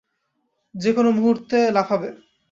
যেকোনো মুহুর্তে লাফাবে।